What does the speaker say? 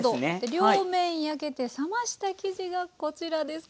両面焼けて冷ました生地がこちらです。